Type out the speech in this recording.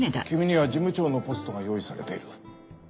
君には事務長のポストが用意されている。